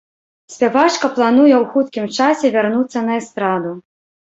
Спявачка плануе ў хуткім часе вярнуцца на эстраду.